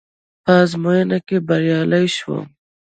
په ازموينه کې بريالی شوم.